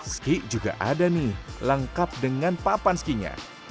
ski juga ada nih lengkap dengan papan skinya